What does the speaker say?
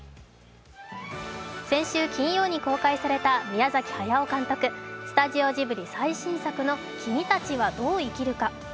先週金曜に公開された宮崎駿監督、スタジオジブリ最新作の「君たちはどう生きるか」。